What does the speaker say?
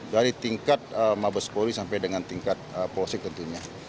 dari tingkat mabes polri sampai dengan tingkat polsek tentunya